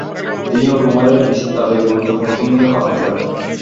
তিনি অটোমোবাইলের বিস্তাবে গুরুত্বপূর্ণ ভূমিকা পালন করেন।